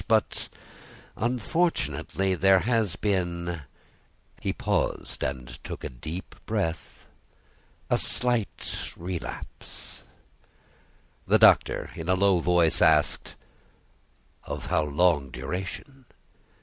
But, unfortunately, there has been," he paused and took a deep breath "a slight relapse." The Doctor, in a low voice, asked, "Of how long duration?"